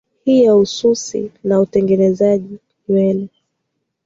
hii ya ususi na utengenezaji nywele